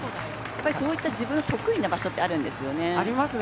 そういった自分の得意なところってあるんですよね。